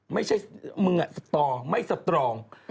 ไม่ใช่มึงสตอไม่สตรอง